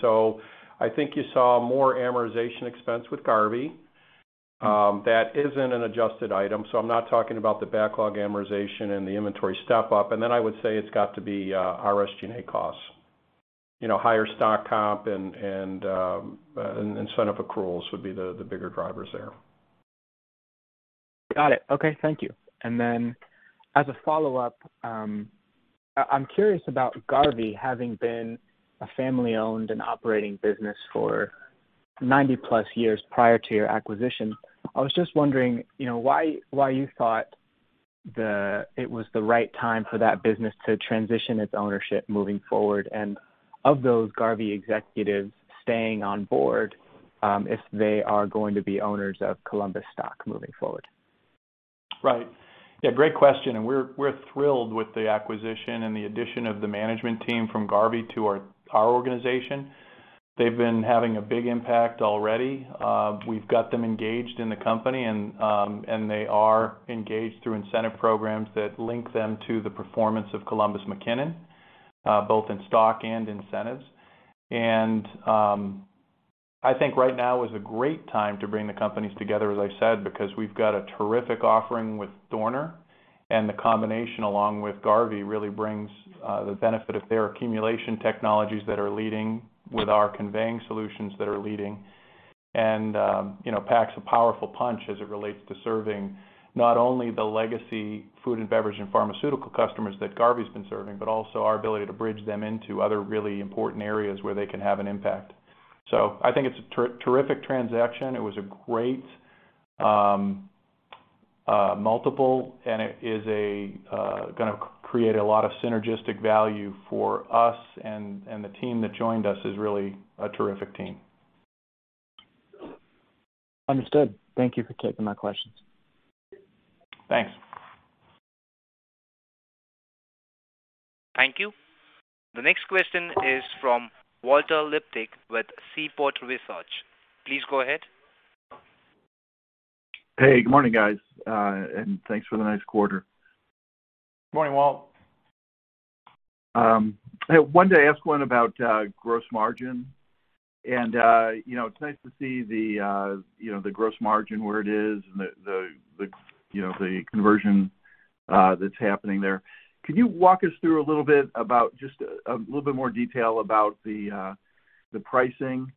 I think you saw more amortization expense with Garvey that is in an adjusted item. I'm not talking about the backlog amortization and the inventory step-up. I would say it's got to be SG&A costs. You know, higher stock comp and incentive accruals would be the bigger drivers there. Got it. Okay, thank you. As a follow-up, I'm curious about Garvey having been a family-owned and operating business for 90+ years prior to your acquisition. I was just wondering, you know, why you thought it was the right time for that business to transition its ownership moving forward. Of those Garvey executives staying on board, if they are going to be owners of Columbus stock moving forward. Right. Yeah, great question. We're thrilled with the acquisition and the addition of the management team from Garvey to our organization. They've been having a big impact already. We've got them engaged in the company and they are engaged through incentive programs that link them to the performance of Columbus McKinnon, both in stock and incentives. I think right now is a great time to bring the companies together, as I said, because we've got a terrific offering with Dorner, and the combination along with Garvey really brings the benefit of their accumulation technologies that are leading with our conveying solutions that are leading and, you know, packs a powerful punch as it relates to serving not only the legacy food and beverage and pharmaceutical customers that Garvey's been serving, but also our ability to bridge them into other really important areas where they can have an impact. I think it's a terrific transaction. It was a great multiple, and it is a gonna create a lot of synergistic value for us. The team that joined us is really a terrific team. Understood. Thank you for taking my questions. Thanks. Thank you. The next question is from Walter Liptak with Seaport Research. Please go ahead. Hey, good morning, guys, and thanks for the nice quarter. Good morning, Walt. I wanted to ask one about gross margin. You know, it's nice to see the gross margin where it is and the conversion that's happening there. Can you walk us through a little bit about just a little bit more detail about the pricing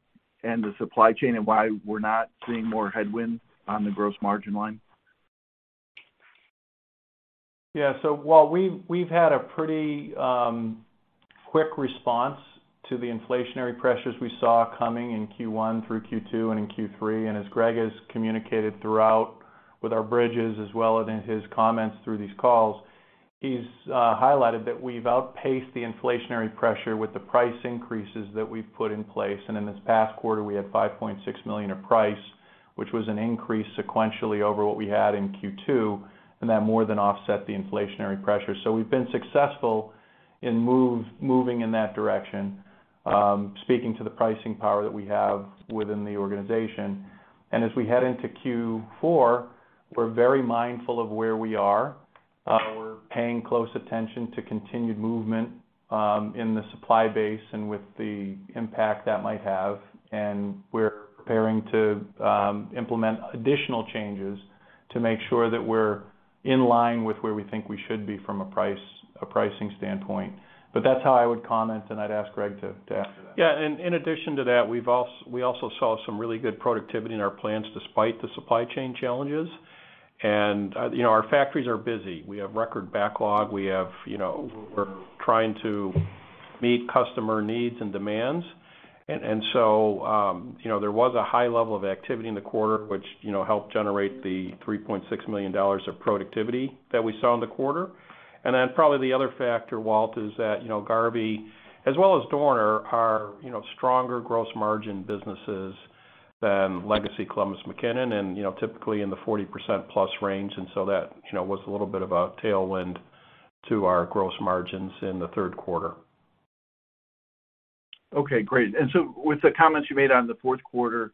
and the supply chain and why we're not seeing more headwind on the gross margin line? Yeah. While we've had a pretty quick response to the inflationary pressures we saw coming in Q1 through Q2 and in Q3, and as Greg has communicated throughout with our bridges as well as in his comments through these calls, he's highlighted that we've outpaced the inflationary pressure with the price increases that we've put in place. In this past quarter, we had $5.6 million of price, which was an increase sequentially over what we had in Q2, and that more than offset the inflationary pressure. We've been successful in moving in that direction, speaking to the pricing power that we have within the organization. As we head into Q4, we're very mindful of where we are. We're paying close attention to continued movement in the supply base and with the impact that might have, and we're preparing to implement additional changes to make sure that we're in line with where we think we should be from a price, a pricing standpoint. That's how I would comment, and I'd ask Greg to add to that. Yeah. In addition to that, we also saw some really good productivity in our plants despite the supply chain challenges. You know, our factories are busy. We have record backlog. You know, we're trying to meet customer needs and demands. You know, there was a high level of activity in the quarter which helped generate $3.6 million of productivity that we saw in the quarter. Probably the other factor, Walt, is that Garvey as well as Dorner are stronger gross margin businesses than legacy Columbus McKinnon. You know, typically in the 40%+ range. That was a little bit of a tailwind to our gross margins in the third quarter. Okay, great. With the comments you made on the fourth quarter,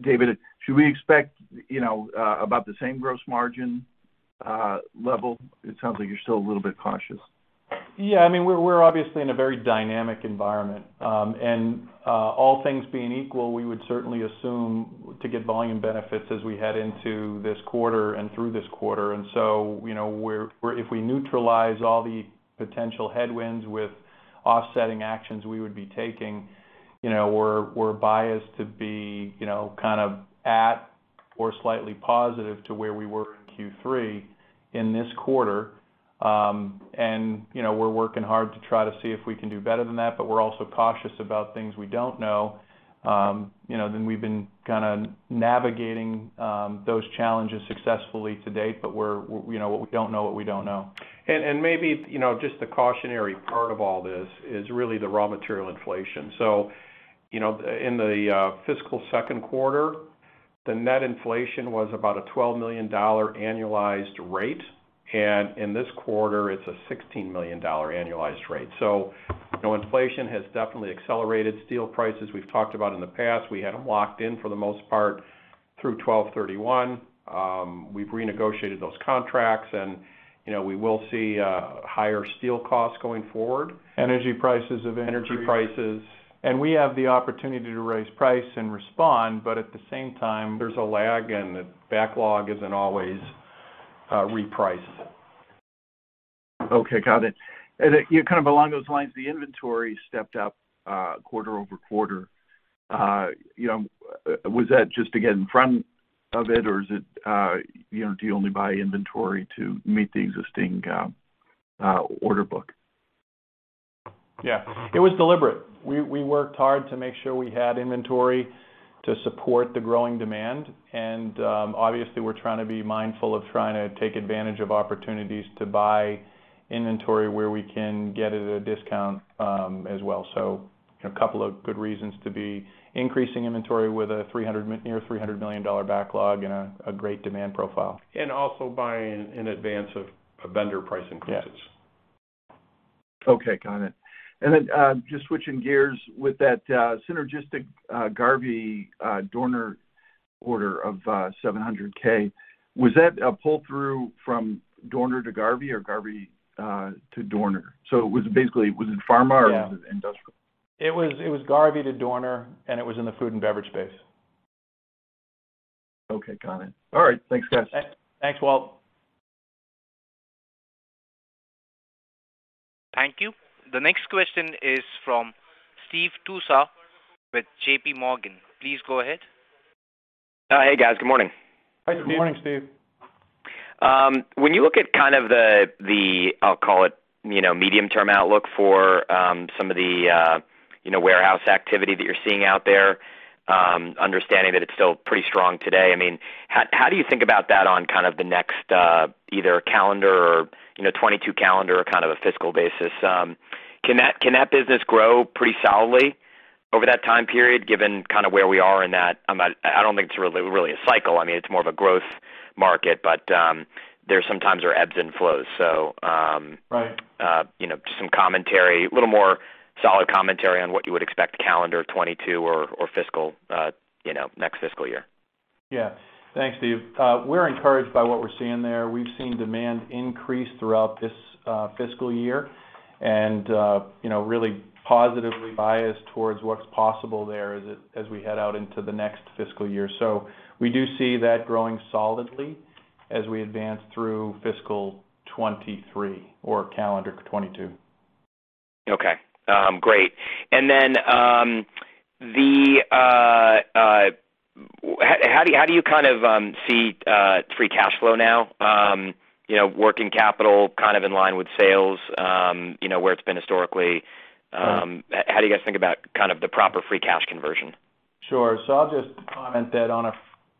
David, should we expect, you know, about the same gross margin level? It sounds like you're still a little bit cautious. Yeah. I mean, we're obviously in a very dynamic environment. All things being equal, we would certainly assume to get volume benefits as we head into this quarter and through this quarter. You know, if we neutralize all the potential headwinds with offsetting actions we would be taking, you know, we're biased to be, you know, kind of at or slightly positive to where we were in Q3 in this quarter. You know, we're working hard to try to see if we can do better than that, but we're also cautious about things we don't know, you know, than we've been kinda navigating those challenges successfully to date, but we're, you know, we don't know what we don't know. Maybe you know, just the cautionary part of all this is really the raw material inflation. You know, in the fiscal second quarter, the net inflation was about a $12 million annualized rate. In this quarter, it's a $16 million annualized rate. You know, inflation has definitely accelerated steel prices. We've talked about in the past. We had them locked in for the most part through 12/31. We've renegotiated those contracts and, you know, we will see higher steel costs going forward. Energy prices have increased. Energy prices. We have the opportunity to raise price and respond, but at the same time, there's a lag and the backlog isn't always repriced. Okay, got it. Kind of along those lines, the inventory stepped up quarter-over-quarter. You know, was that just to get in front of it or is it, you know, do you only buy inventory to meet the existing order book? Yeah, it was deliberate. We worked hard to make sure we had inventory to support the growing demand. Obviously, we're trying to be mindful of trying to take advantage of opportunities to buy inventory where we can get it at a discount, as well. A couple of good reasons to be increasing inventory with a near $300 million backlog and a great demand profile. Buying in advance of vendor price increases. Yeah. Okay, got it. Just switching gears with that synergistic Garvey Dorner order of $700K, was that a pull-through from Dorner to Garvey or Garvey to Dorner? Was it pharma- Yeah Was it industrial? It was Garvey to Dorner, and it was in the food and beverage space. Okay, got it. All right. Thanks, guys. Thanks, Walter. Thank you. The next question is from Steve Tusa with JPMorgan. Please go ahead. Hey, guys. Good morning. Hi, Steve. Good morning, Steve. When you look at kind of the I'll call it, you know, medium-term outlook for some of the, you know, warehouse activity that you're seeing out there, understanding that it's still pretty strong today, I mean, how do you think about that on kind of the next either calendar or, you know, 2022 calendar or kind of a fiscal basis? Can that business grow pretty solidly over that time period, given kind of where we are in that. I don't think it's really a cycle. I mean, it's more of a growth market. There sometimes are ebbs and flows. Right. You know, just some commentary, a little more solid commentary on what you would expect calendar 2022 or fiscal, you know, next fiscal year. Yeah. Thanks, Steve. We're encouraged by what we're seeing there. We've seen demand increase throughout this fiscal year and, you know, really positively biased towards what's possible there as we head out into the next fiscal year. We do see that growing solidly as we advance through fiscal 2023 or calendar 2022. Okay. Great. How do you kind of see Free Cash Flow now? You know, working capital kind of in line with sales, you know, where it's been historically. How do you guys think about kind of the proper free cash conversion? I'll just comment that on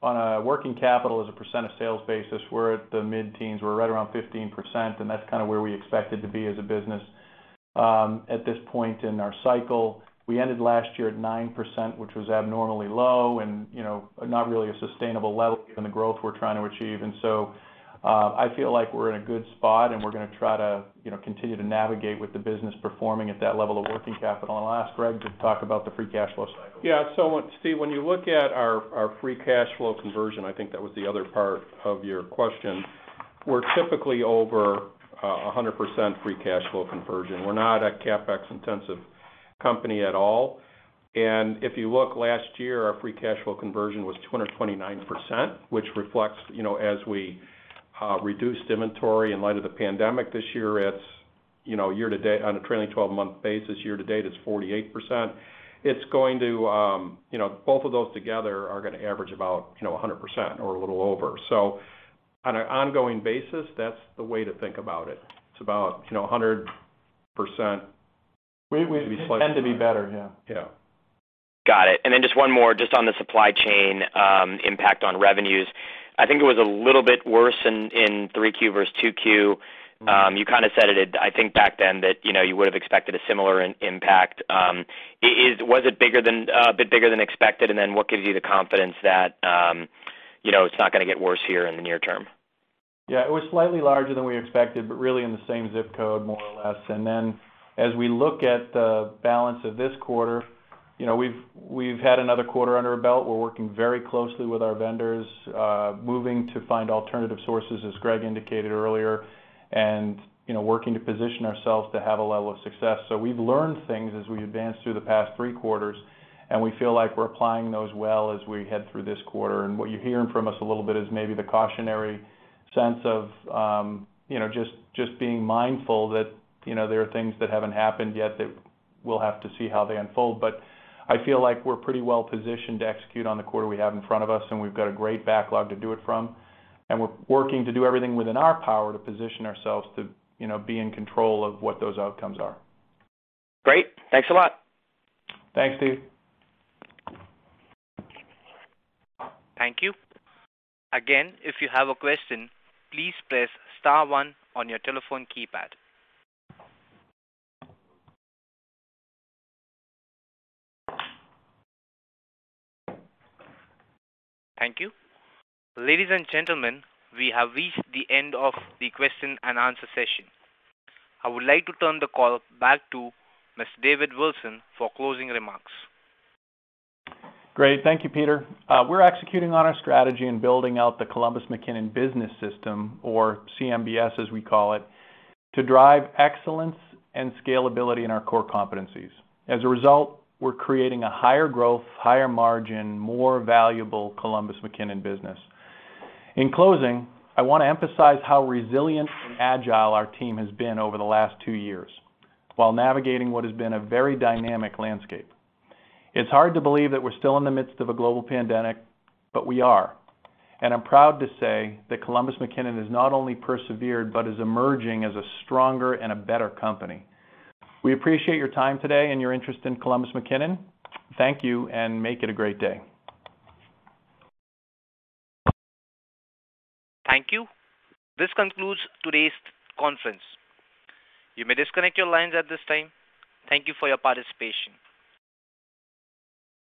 a working capital as a percent of sales basis, we're at the mid-teens. We're right around 15%, and that's kind of where we expect it to be as a business at this point in our cycle. We ended last year at 9%, which was abnormally low and, you know, not really a sustainable level given the growth we're trying to achieve. I feel like we're in a good spot, and we're gonna try to, you know, continue to navigate with the business performing at that level of working capital. I'll ask Greg to talk about the free cash flow cycle. Steve, when you look at our Free Cash Flow conversion, I think that was the other part of your question. We're typically over 100% Free Cash Flow conversion. We're not a CapEx-intensive company at all. If you look last year, our free cash flow conversion was 229%, which reflects as we reduced inventory in light of the pandemic this year. On a trailing twelve-month basis, year to date is 48%. It's going to both of those together are gonna average about 100% or a little over. On an ongoing basis, that's the way to think about it. It's about 100%. Maybe slightly We tend to be better, yeah. Yeah. Got it. Just one more on the supply chain impact on revenues. I think it was a little bit worse in 3Q versus 2Q. You kinda said it, I think back then that, you know, you would have expected a similar impact. Was it a bit bigger than expected? What gives you the confidence that, you know, it's not gonna get worse here in the near term? Yeah. It was slightly larger than we expected, but really in the same zip code more or less. Then as we look at the balance of this quarter, you know, we've had another quarter under our belt. We're working very closely with our vendors, moving to find alternative sources, as Greg indicated earlier, and, you know, working to position ourselves to have a level of success. We've learned things as we advanced through the past three quarters, and we feel like we're applying those well as we head through this quarter. What you're hearing from us a little bit is maybe the cautionary sense of, you know, just being mindful that, you know, there are things that haven't happened yet that we'll have to see how they unfold. I feel like we're pretty well positioned to execute on the quarter we have in front of us, and we've got a great backlog to do it from. We're working to do everything within our power to position ourselves to, you know, be in control of what those outcomes are. Great. Thanks a lot. Thanks, Steve. Thank you. Again, if you have a question, please press star one on your telephone keypad. Thank you. Ladies and gentlemen, we have reached the end of the question and answer session. I would like to turn the call back to Mr. David Wilson for closing remarks. Great. Thank you, Peter. We're executing on our strategy and building out the Columbus McKinnon business system or CMBS, as we call it, to drive excellence and scalability in our core competencies. As a result, we're creating a higher growth, higher margin, more valuable Columbus McKinnon business. In closing, I wanna emphasize how resilient and agile our team has been over the last two years while navigating what has been a very dynamic landscape. It's hard to believe that we're still in the midst of a global pandemic, but we are. I'm proud to say that Columbus McKinnon has not only persevered but is emerging as a stronger and a better company. We appreciate your time today and your interest in Columbus McKinnon. Thank you, and make it a great day. Thank you. This concludes today's conference. You may disconnect your lines at this time. Thank you for your participation.